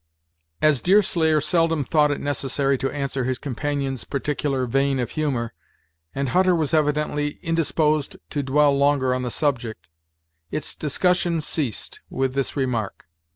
As Deerslayer seldom thought it necessary to answer his companion's peculiar vein of humor, and Hutter was evidently indisposed to dwell longer on the subject, it's discussion ceased with this remark.